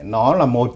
nó là một